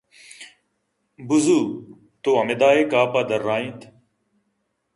بُزو! تو ہمدائے کاف ءَ درّائینت